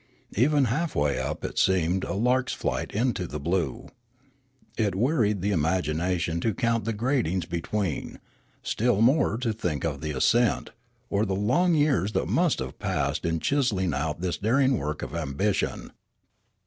Even half way up it seemed a lark's flight into the blue. It wearied the imagina tion to count the gradings between; still more to think of the ascent, or the long years that must have passed in chiselling out this daring work of ambition.